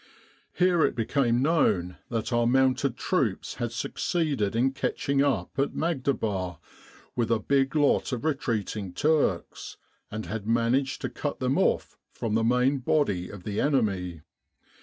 Here it became known that our mounted troops had succeeded in catching up at Maghdaba with a big lot of retreating Turks, and had managed to cut them off from the main body of the enemy.